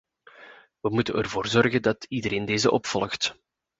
We moeten ervoor zorgen dat iedereen deze opvolgt.